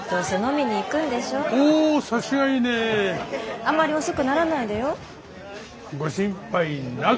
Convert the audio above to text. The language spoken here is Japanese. あんまり遅くならないでよ。ご心配なく。